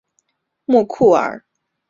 莫库尔。